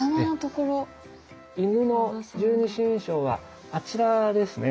戌の十二神将はあちらですね。